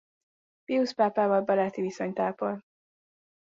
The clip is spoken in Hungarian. Piusz pápával baráti viszonyt ápolt.